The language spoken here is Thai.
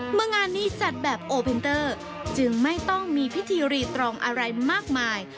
งานนี้จัดแบบโอเพนเตอร์จึงไม่ต้องมีพิธีรีตรองอะไรมากมาย